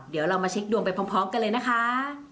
เดี๋ยวเรามาเช็คดวงไปพร้อมกันเลยนะคะ